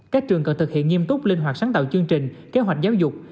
các trường cần thực hiện nghiêm túc linh hoạt sáng tạo chương trình kế hoạch giáo dục